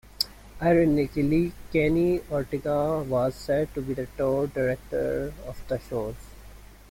Ironically, Kenny Ortega was set to be the tour director of the shows.